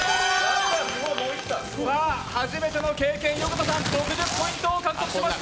初めての経験、横田さん、６０ポイントを獲得しました。